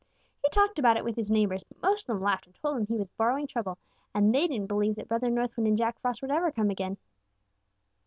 He talked about it with his neighbors but most of them laughed and told him that he was borrowing trouble, and that they didn't believe that Brother North Wind and Jack Frost ever would come again.